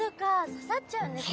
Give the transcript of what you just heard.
刺さっちゃうんですね。